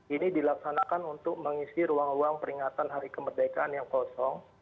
ini dilaksanakan untuk mengisi ruang ruang peringatan hari kemerdekaan yang kosong